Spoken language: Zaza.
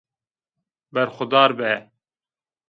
Berxûdar be